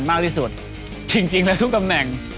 มากที่สุดจริงแล้วทุกตำแหน่ง